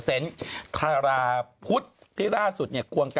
เป็นการเฉลิมฉลอง